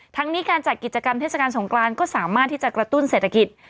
ทั้งนี้การจัดกิจกรรมเทศกาลสงกรานก็สามารถที่จะกระตุ้นเศรษฐกิจ